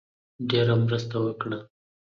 ډېره مرسته وکړه.